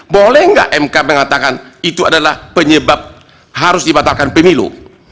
boleh nggak mk mengatakan itu adalah penyebab harus dibatalkan pemilu